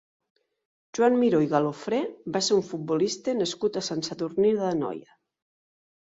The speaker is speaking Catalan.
Joan Miró i Galofré va ser un futbolista nascut a Sant Sadurní d'Anoia.